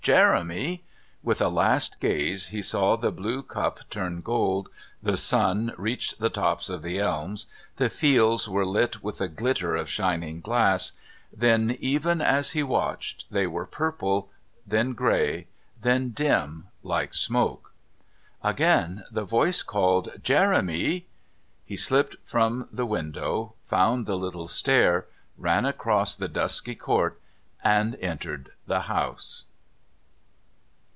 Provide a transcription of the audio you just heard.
Jeremy!" With a last gaze he saw the blue cup turn to gold, the sun reached the tops of the elms; the fields were lit with the glitter of shining glass, then, even as he watched, they were purple, then grey, then dim like smoke. Again the voice called "Jeremy!" He slipped from the window, found the little stair, ran across the dusky court and entered the house.